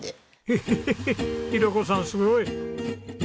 ヘヘヘヘ浩子さんすごい！